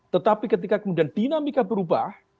tetapi ketika kemudian dinamika berubah